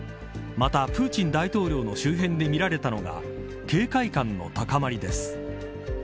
またプーチン大統領の周辺で見られたのが警戒感の高まりです。